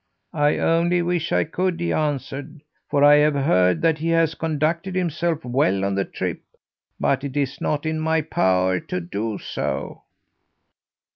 "'I only wish I could!' he answered, 'for I have heard that he has conducted himself well on the trip; but it is not in my power to do so.'